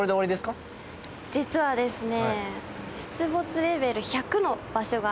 実はですね